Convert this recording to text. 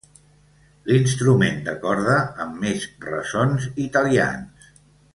L'instrument de corda amb més ressons italians.